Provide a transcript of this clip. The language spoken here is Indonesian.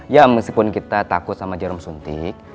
ya meskipun kita takut sama jarum suntik